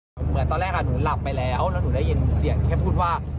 เหมือนตอนแรกหนูหลับไปแล้วแล้วหนูได้ยินเสียงแค่พูดว่า